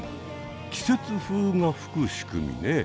季節風がふくしくみね。